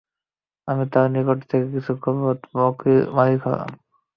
আমি তার নিকট থেকে কিছু গরু ও বকরীর মালিক হলাম।